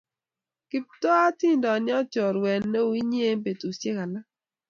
Kiptooa atindoi chorwet neu inye eng betusiek alak